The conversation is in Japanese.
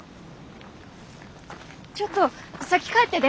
ちょっと先帰ってで！